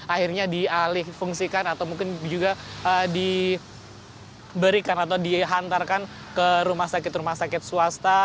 akhirnya dialih fungsikan atau mungkin juga diberikan atau dihantarkan ke rumah sakit rumah sakit swasta